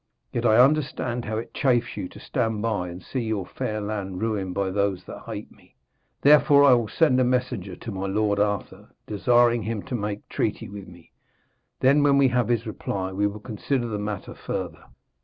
Yet I understand how it chafes you to stand by and see your fair land ruined by those that hate me. Therefore I will send a messenger to my lord Arthur, desiring him to make treaty with me. Then when we have his reply, we will consider the matter further.'